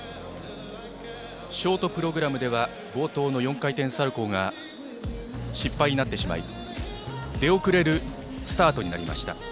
ショートプログラムでは冒頭の４回転サルコーが失敗になってしまい出遅れるスタートになりました。